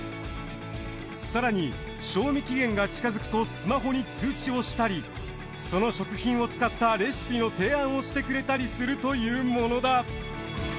更に賞味期限が近づくとスマホに通知をしたりその食品を使ったレシピの提案をしてくれたりするというものだ。